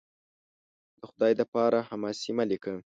د خدای دپاره! حماسې مه لیکه